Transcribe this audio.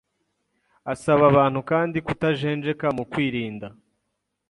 Asaba abantu kandi kutajenjeka mu kwirinda